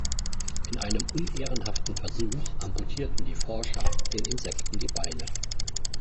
In einem unehrenhaften Versuch amputierten die Forscher den Insekten die Beine.